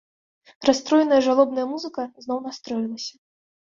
Расстроеная жалобная музыка зноў настроілася.